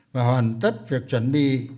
và hoàn tất việc chuẩn bị